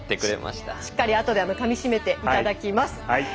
しっかりあとでかみしめていただきます。